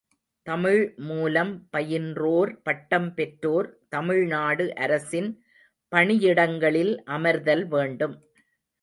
தமிழ் மூலம் பயின்றோர் பட்டம் பெற்றோர் தமிழ்நாடு அரசின் பணியிடங்களில் அமர்தல் வேண்டும்.